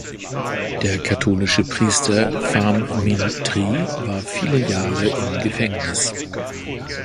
Der katholische Priester Pham Minh Tri war viele Jahre im Gefängnis.